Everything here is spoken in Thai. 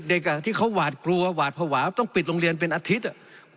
ที่เขาหวาดกลัวหวาดภาวะต้องปิดโรงเรียนเป็นอาทิตย์